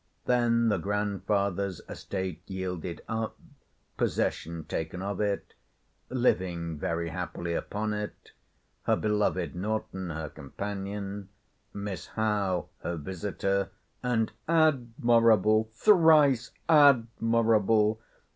Then the grandfather's estate yielded up, possession taken of it: living very happily upon it: her beloved Norton her companion; Miss Howe her visiter; and (admirable! thrice admirable!)